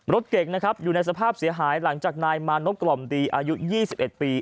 รถเก่งนะครับอยู่ในสภาพเสียหายหลังจากนายมานพกล่อมดีอายุ๒๑ปี